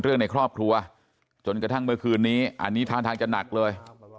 เรื่องในครอบทัวร์จนกระทั่งเมื่อคืนนี้อันนี้ทางจะหนักเลย